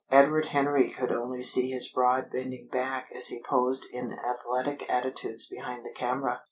Edward Henry could only see his broad bending back as he posed in athletic attitudes behind the camera.